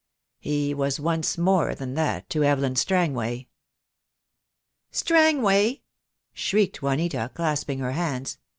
"He was once more than that to Evelyn Strang way." "Strangway!" shrieked Juanita, clasping her hands.